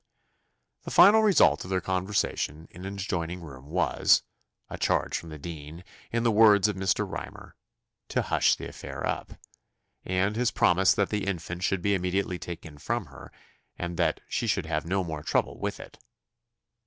The final result of their conversation in an adjoining room was a charge from the dean, in the words of Mr. Rymer, "to hush the affair up," and his promise that the infant should be immediately taken from her, and that "she should have no more trouble with it."